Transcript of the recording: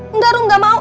enggak rum enggak mau